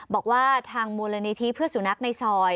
บอกว่าทางมูลในที่เพื่อสูญนักในซอย